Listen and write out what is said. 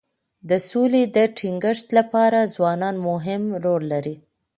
د سولي د ټینګښت لپاره ځوانان مهم رول لري.